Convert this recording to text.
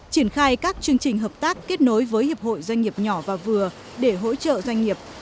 triển khai các chương trình hợp tác kết nối với hiệp hội doanh nghiệp nhỏ và vừa để hỗ trợ doanh nghiệp